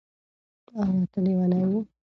ایا ته لیونی یې؟